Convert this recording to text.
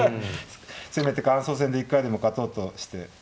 せめて感想戦で一回でも勝とうとして。